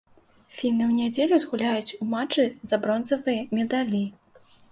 Фіны ў нядзелю згуляюць у матчы за бронзавыя медалі.